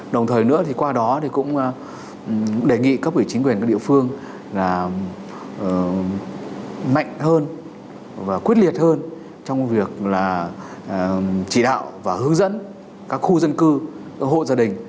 đồng thời nữa thì qua đó thì cũng đề nghị các vị chính quyền các địa phương là mạnh hơn và quyết liệt hơn trong việc là chỉ đạo và hướng dẫn các khu dân cư các hộ gia đình